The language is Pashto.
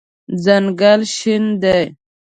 ځنګل شین دی